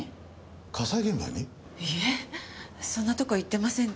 いえそんなとこは行ってません。